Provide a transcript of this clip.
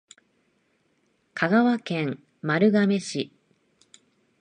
香川県丸亀市